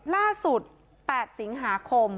ล่าสุด๘สิงหาคม